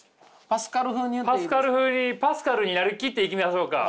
パスカル風にパスカルになり切っていきましょうか。